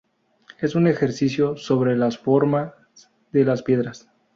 Es un ejercicio sobre las formas de las piedras.